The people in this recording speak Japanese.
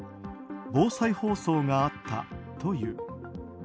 防災放送があったという。